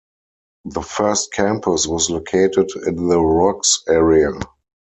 The first campus was located in The Rocks area.